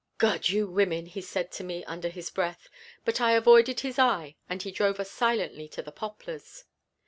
"God, you women!" he said to me under his breath, but I avoided his eye and he drove us silently to the Poplars.